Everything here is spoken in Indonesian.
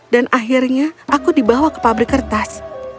dan akhirnya aku dibawa ke pabrik kertas